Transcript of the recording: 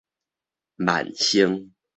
萬盛